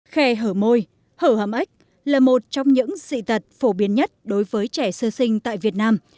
khe hở môi hở hám ếch là một trong những dị tật phổ biến nhất đối với trẻ sơ sinh tại việt nam